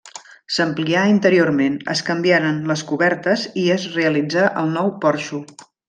S'amplià interiorment, es canviaren les cobertes i es realitzà el nou porxo.